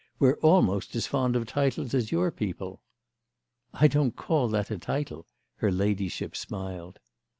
We're almost as fond of titles as your people." "I don't call that a title," her ladyship smiled.